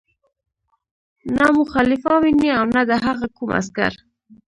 نه مو خلیفه ویني او نه د هغه کوم عسکر.